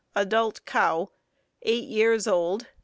| |(Adult cow, eight years old.